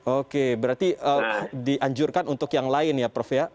oke berarti dianjurkan untuk yang lain ya prof ya